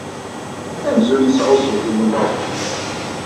Amzun yesɛuẓẓug umellaẓu!